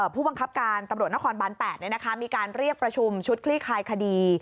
ผู้บังคับการตำรวจนครบาน๘มีการเรียกประชุมชุดคลี่คลายคดี